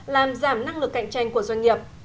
làm giảm năng lực cạnh tranh của doanh nghiệp